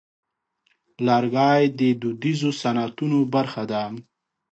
لرګی د دودیزو صنعتونو برخه ده.